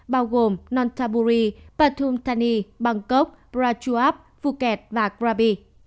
bao gồm nonthaburi pathumthani bangkok prachuap phuket và krabi